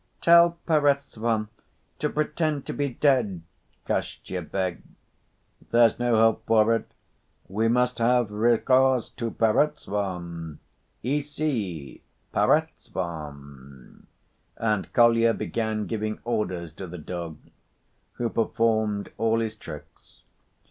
"Tell Perezvon to pretend to be dead!" Kostya begged. "There's no help for it, we must have recourse to Perezvon. Ici, Perezvon." And Kolya began giving orders to the dog, who performed all his tricks.